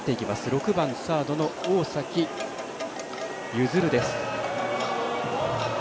６番、サードの大崎謙です。